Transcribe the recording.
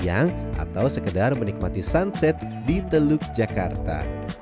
sambil makan siang atau sekedar menikmati sunset di teluk jakarta